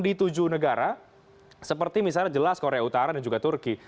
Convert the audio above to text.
di tujuh negara seperti misalnya jelas korea utara dan juga turki